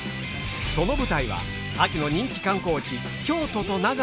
その舞台は秋の人気観光地